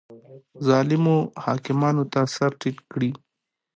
ظالمو حاکمانو ته سر ټیټ کړي